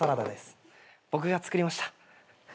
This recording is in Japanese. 僕が作りました。